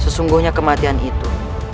sesungguhnya kematian itu